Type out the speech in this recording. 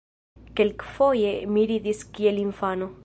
Kelkfoje mi ridis kiel infano.